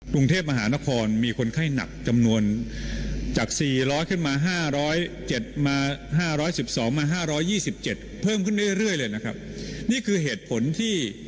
คุณหมอธวีศิลป์บอกว่าจะช่วยลดอัตราการเสียชีวิตด้วยซึ่งนี่เป็นหลักวิทยาศาสตร์ที่พิสูจน์ได้